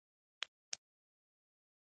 دا د هغه احمق پروګرامر د روزلو پایله ده